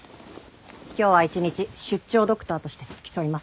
今日は一日出張ドクターとして付き添います。